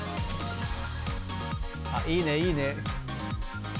あっいいねいいね。